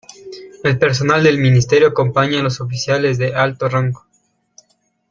El personal del Ministerio acompaña a los oficiales de alto rango.